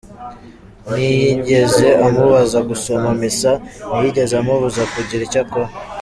Ntiyigeze amubuza gusoma Misa, ntiyigeze amubuza kugira icyo akora.